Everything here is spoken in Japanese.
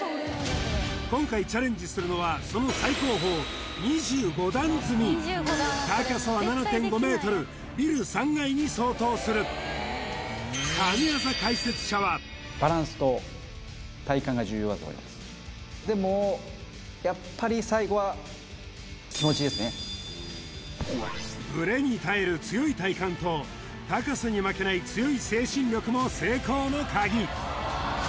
今回チャレンジするのはその最高峰２５段積み高さは７．５ｍビル３階に相当する神業解説者はだと思いますでもブレに耐える強い体幹と高さに負けない強い精神力も成功のカギ